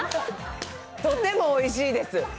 とてもおいしいです。